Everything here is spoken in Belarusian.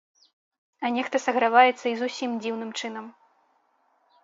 А нехта саграваецца і зусім дзіўным чынам.